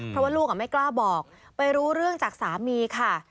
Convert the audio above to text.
เพราะว่าลูกไม่กล้าบอกไปรู้เรื่องจากสามีค่ะ